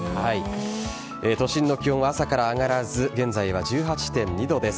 都心の気温は朝から上がらず現在は１８．２度です。